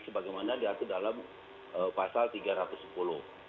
sebagaimana diatur dalam pasal tiga ratus sepuluh